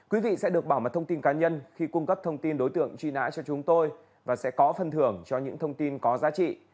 quý vị sẽ được bảo mật thông tin cá nhân khi cung cấp thông tin đối tượng truy nã cho chúng tôi và sẽ có phân thưởng cho những thông tin có giá trị